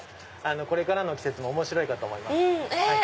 これからの季節も面白いかと思います。